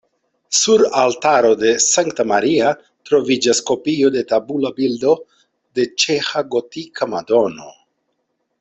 Sur altaro de Sankta Maria troviĝas kopio de tabula bildo de ĉeĥa gotika Madono.